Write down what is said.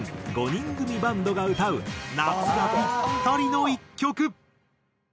５人組バンドが歌う夏がピッタリの１曲。